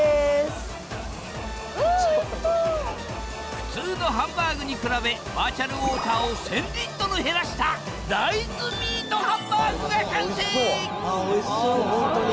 普通のハンバーグに比べバーチャルウォーターを１，０００リットル減らした大豆ミートハンバーグが完成！